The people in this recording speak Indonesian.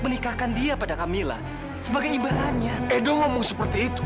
emang dasar brengsek